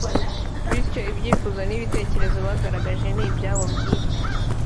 bityo ibyifuzo n’ibitekerezo bagaragaje ni ibya bo bwite